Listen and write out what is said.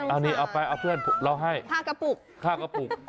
อันนี้เอาไปเอาให้เพื่อนผมเราให้ข้ากะปุกข้ากะปุก